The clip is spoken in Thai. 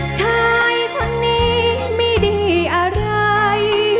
ชายคนนี้ไม่ดีอะไร